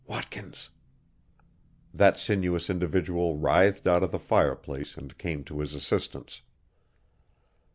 Pst! Watkins!" That sinuous individual writhed out of the fireplace and came to his assistance.